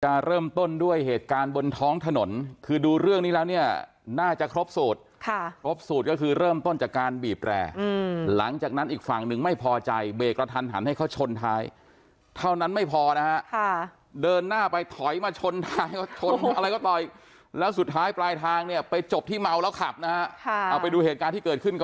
เริ่มต้นด้วยเหตุการณ์บนท้องถนนคือดูเรื่องนี้แล้วเนี่ยน่าจะครบสูตรค่ะครบสูตรก็คือเริ่มต้นจากการบีบแร่หลังจากนั้นอีกฝั่งหนึ่งไม่พอใจเบรกกระทันหันให้เขาชนท้ายเท่านั้นไม่พอนะฮะค่ะเดินหน้าไปถอยมาชนท้ายชนอะไรก็ต่อยแล้วสุดท้ายปลายทางเนี่ยไปจบที่เมาแล้วขับนะฮะเอาไปดูเหตุการณ์ที่เกิดขึ้นก